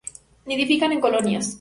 Nidifican en colonias.